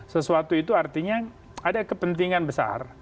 sesuatu itu artinya ada kepentingan besar